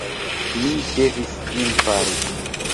Mi devis ĝin fari.